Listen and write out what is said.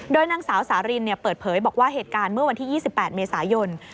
โดยนางสาวสารินเปิดเผยบอกว่าเหตุการณ์เมื่อวันที่๒๘เมษายน